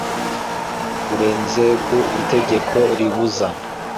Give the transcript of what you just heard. Urenze ku itegeko ribuza.